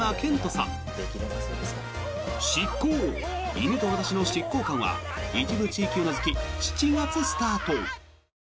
犬と私と執行官」は一部地域を除き、７月スタート！